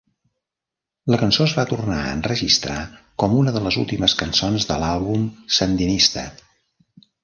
La cançó es va tornar a enregistrar com una de les últimes cançons de l'àlbum "Sandinista!"